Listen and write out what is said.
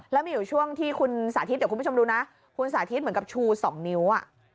แล้วมีอยู่ช่วงที่คุณสาธิตเดี๋ยวคุณผู้ชมดูนะคุณสาธิตเหมือนกับชู๒นิ้ว